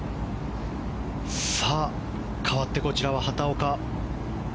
かわって、こちらは畑岡。